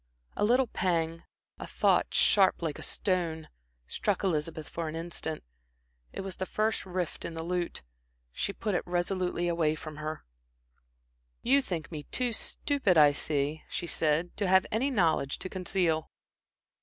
A little pang, a thought sharp like a stone, struck Elizabeth for an instant. It was the first rift in the lute. She put it resolutely away from her. "You think me too stupid, I see," she said "to have any knowledge to conceal."